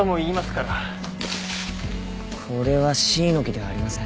これはシイの木ではありません。